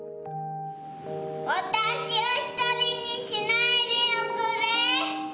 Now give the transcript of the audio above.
私を独りにしないでおくれ！